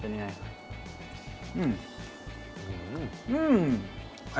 เป็นยังไงครับ